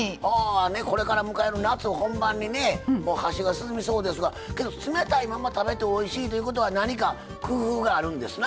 これから迎える夏本番に箸が進みそうですが冷たいまま食べておいしいということは何か工夫があるんですな？